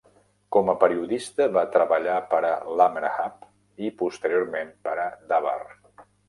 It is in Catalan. Com a periodista, va treballar per a "Lamerhav" i posteriorment per a "Davar".